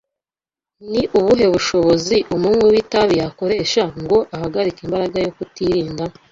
Ni ubuhe bushobozi umunywi w’itabi yakoresha ngo ahagarike imbaraga yo kutirinda?